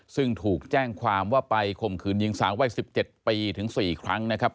ซึ่งถูกแจ้งความว่าไปข่มขืนหญิงสาววัย๑๗ปีถึง๔ครั้งนะครับ